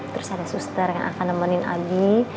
terus ada suster yang akan nemenin abi